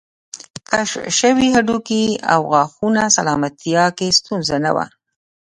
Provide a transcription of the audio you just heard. کشف شوي هډوکي او غاښونه سلامتیا کې ستونزه نه وه